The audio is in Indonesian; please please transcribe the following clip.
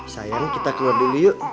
sayang kita keluar dulu yuk